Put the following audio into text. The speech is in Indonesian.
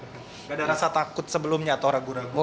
tidak ada rasa takut sebelumnya atau ragu ragu